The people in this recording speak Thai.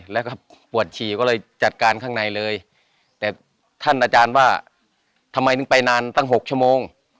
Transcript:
แล้วก็ปวดฉี่ก็เลยจัดการข้างในเลยแต่ท่านอาจารย์ว่าทำไมถึงไปนานตั้ง๖ชั่วโมง